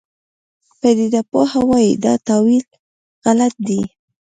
پدیده پوه وایي دا تاویل غلط دی.